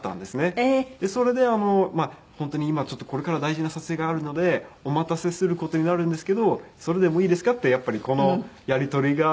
それで「本当に今これから大事な撮影があるのでお待たせする事になるんですけどそれでもいいですか？」ってやっぱりこのやり取りが。